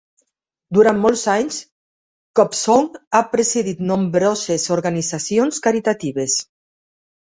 Durant molts anys, Kobzon ha presidit nombroses organitzacions caritatives.